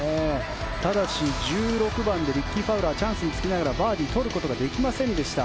ただし１６番でリッキー・ファウラーチャンスにつけながらバーディーを取ることができませんでした。